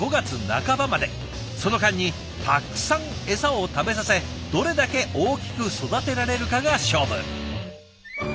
その間にたくさんエサを食べさせどれだけ大きく育てられるかが勝負。